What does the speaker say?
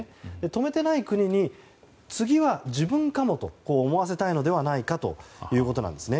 止めてない国に次は自分かもと思わせたいのではないかということです。